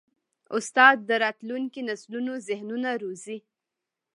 استاد د راتلونکي نسلونو ذهنونه روزي.